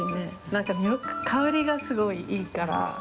何か香りがすごいいいから。